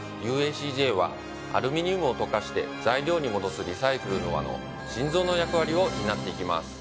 「ＵＡＣＪ」はアルミニウムを溶かして材料に戻すリサイクルの輪の心臓の役割を担って行きます。